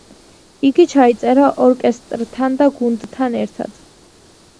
იგი ჩაიწერა ორკესტრთან და გუნდთან ერთად.